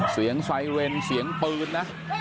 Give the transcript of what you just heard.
เสียงไซเรนเสียงปืนนะ